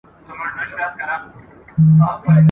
او یوازي شرنګ او سُر لري !.